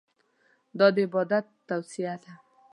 دا د عبادت توصیه ده.